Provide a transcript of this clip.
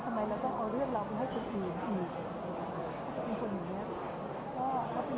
ทำไมเราต้องเอาเรื่องเราไปให้คนอื่นอีกเขาจะเป็นคนอย่างเงี้ย